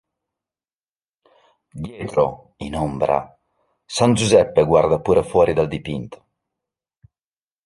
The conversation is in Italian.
Dietro, in ombra, san Giuseppe guarda pure fuori dal dipinto.